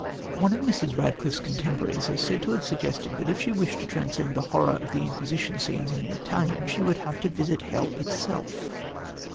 One of Mrs. Radcliffe's contemporaries is said to have suggested that if she wished to transcend the horror of the Inquisition scenes in The Italian she would have to visit hell itself.